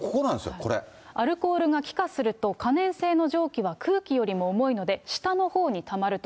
アルコールが気化すると、可燃性の蒸気は空気よりも重いので、下のほうにたまると。